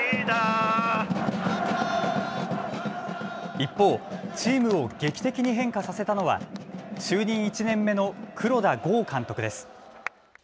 一方、チームを劇的に変化させたのは就任１年目の黒田剛監督です。